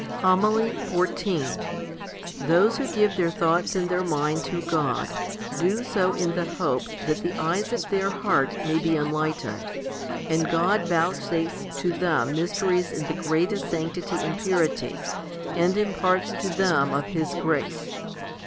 1 John vi. 56; cp. viii. 51. 2 John viii. 35. 3 Ps. xvi. 5. HOMILY XIV Those who give their thoughts and their mind to God do so in the hope that the eyes of their heart may be enlightened, and God vouchsafes to them mysteries in the greatest sanctity and purity, and imparts to them of His grace.